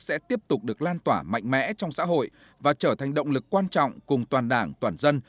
sẽ tiếp tục được lan tỏa mạnh mẽ trong xã hội và trở thành động lực quan trọng cùng toàn đảng toàn dân